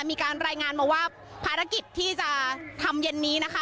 มีการรายงานมาว่าภารกิจที่จะทำเย็นนี้นะคะ